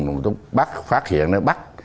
rồi phát hiện nó bắt